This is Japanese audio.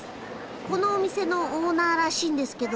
このお店のオーナーらしいんですけど。